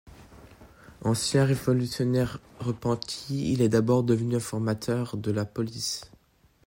Ancien révolutionnaire repenti, il est d'abord devenu informateur de la police.